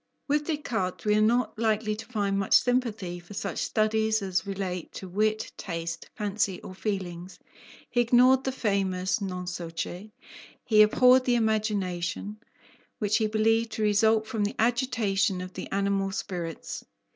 With Descartes, we are not likely to find much sympathy for such studies as relate to wit, taste, fancy, or feelings. He ignored the famous non so che; he abhorred the imagination, which he believed to result from the agitation of the animal spirits.